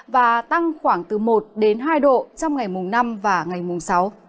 và tăng khoảng từ một đến hai độ trong ngày mùng năm và ngày mùng sáu